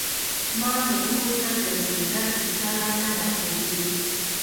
ما تر اوسه د بریځر ټکله نده خودلي.